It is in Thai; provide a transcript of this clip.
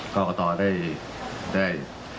ก็ตอบได้